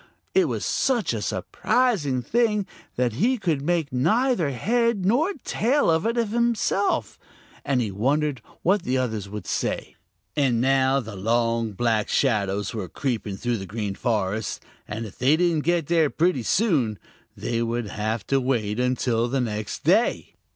It was such a surprising thing that he could make neither head nor tail of it himself, and he wondered what the others would say. And now the long black shadows were creeping through the Green Forest, and if they didn't get there pretty soon, they would have to wait until the next day.